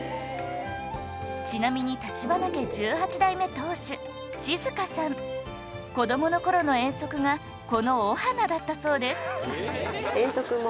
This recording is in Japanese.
ちなみに立花家１８代目当主千月香さん子どもの頃の遠足がこの御花だったそうです